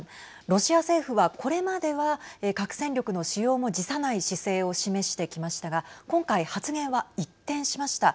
ロシア政府は、これまでは核戦力の使用も辞さない姿勢を示してきましたが今回、発言は一転しました。